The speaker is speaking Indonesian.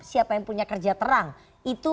siapa yang punya kerja terang itu